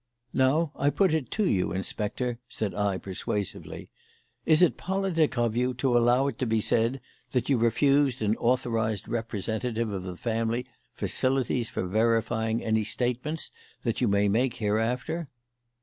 "Now, I put it to you, Inspector," said I, persuasively, "is it politic of you to allow it to be said that you refused an authorised representative of the family facilities for verifying any statements that you may make hereafter?"